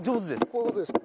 こういう事ですか？